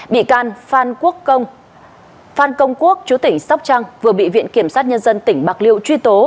bị can phan quốc phan công quốc chú tỉnh sóc trăng vừa bị viện kiểm sát nhân dân tỉnh bạc liêu truy tố